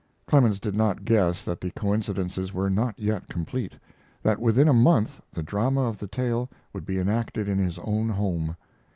Clemens did not guess that the coincidences were not yet complete, that within a month the drama of the tale would be enacted in his own home.